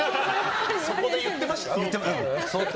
そこで言ってました？